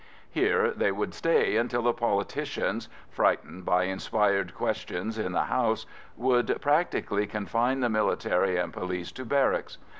Here they would stay until the politicians, frightened by inspired questions in the House, would practically confine the military and police to barracks.